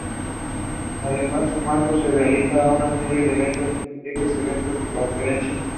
Además, en su marco se realizan una serie de eventos especiales, eventos y conferencias.